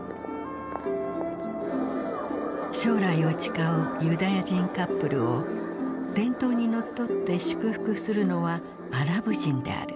将来を誓うユダヤ人カップルを伝統にのっとって祝福するのはアラブ人である。